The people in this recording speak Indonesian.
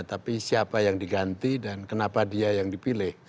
tapi siapa yang diganti dan kenapa dia yang dipilih